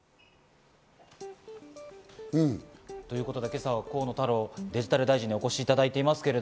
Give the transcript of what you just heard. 今朝は河野太郎デジタル大臣にお越しいただいています。